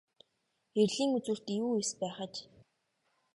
Эрлийн үзүүрт юу эс байх аж.